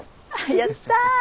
やった！